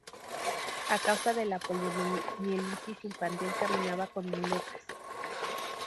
A causa de la poliomielitis infantil caminaba con muletas.